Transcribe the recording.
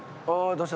どうした？